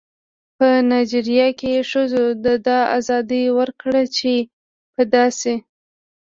په نایجیریا کې ښځو ته دا ازادي ورکړې چې په داسې